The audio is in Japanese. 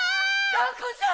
がんこちゃん！